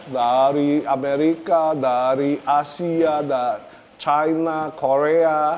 dari amerika dari asia dari china korea